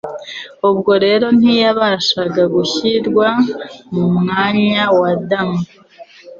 Ubwo rero nti yabashaga gushyirwa mu mwanya wa Adamu;